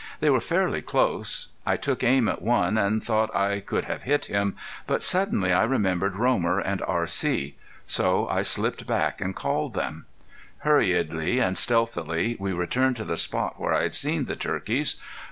They were fairly close. I took aim at one, and thought I could have hit him, but suddenly I remembered Romer and R.C. So I slipped back and called them. [Illustration: ROMER BOY ON HIS FAVORITE STEED] Hurriedly and stealthily we returned to the point where I had seen the turkeys.